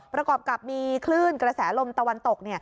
ประกอบกับมีคลื่นกระแสลมตะวันตก